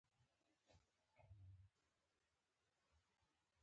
افغانستان د کلیزو منظره له پلوه له نورو هېوادونو سره ډېرې اړیکې لري.